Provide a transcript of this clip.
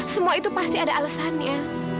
semua itu pasti ada alasannya